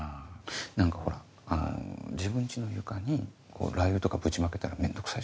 何かほら自分家の床にラー油とかぶちまけたら面倒くさいじゃないですか。